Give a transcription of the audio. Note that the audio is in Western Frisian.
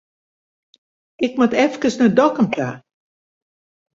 Ik moat efkes nei Dokkum ta.